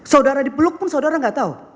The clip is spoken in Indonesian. saudara dipeluk pun saudara nggak tahu